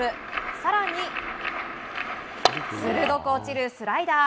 更に、鋭く落ちるスライダー。